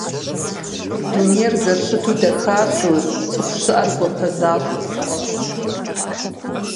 Дунейр зэрыщыту дахащэу, цӀыхуу щыӀэр гуапэ защӀэу къысфӀэщӀырт.